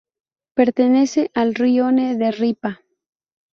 Pertenece al rione de Ripa.